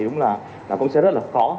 đúng là cũng sẽ rất là khó